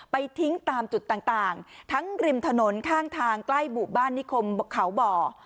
ไปทิ้งตามจุดต่างทั้งริมถนนข้างทางใกล้หมู่บ้านนิคมเขาบ่อ